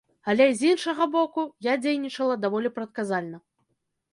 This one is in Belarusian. Але, з іншага боку, я дзейнічала даволі прадказальна.